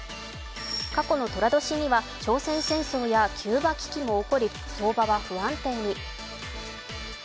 過去のとら年には朝鮮戦争やキューバ危機も起こり、相場は不安定に。